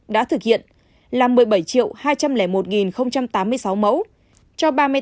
đã thực hiện là một mươi bảy hai trăm linh một tám mươi sáu mẫu cho ba mươi tám chín trăm chín mươi một trăm năm mươi hai lượt người